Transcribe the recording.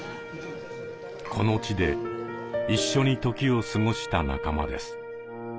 この地で一緒に時を過ごした仲間です。